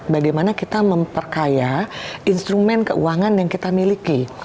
bagaimana kita memperkaya instrumen keuangan yang kita miliki